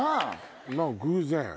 偶然？